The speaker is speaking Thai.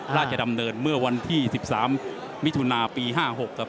ราชดำเนินเมื่อวันที่๑๓มิถุนาปี๕๖ครับ